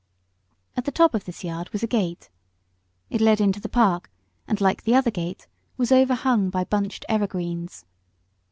At the top of this yard was a gate. It led into the park, and, like the other gate, was overhung by bunched evergreens.